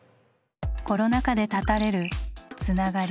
コロナ禍で絶たれる「つながり」。